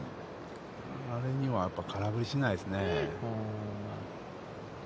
あれにはやっぱり空振りしないですね。